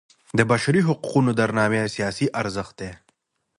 د بشري حقونو درناوی سیاسي ارزښت دی